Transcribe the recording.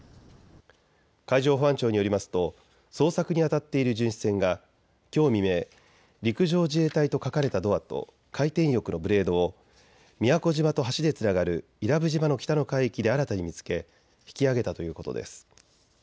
海上保安庁によりますと捜索にあたっている巡視船がきょう未明、陸上自衛隊と書かれたドアと回転翼のブレードを宮古島と橋でつながる伊良部島の北の海域で新たに見つけ引き揚げたということです。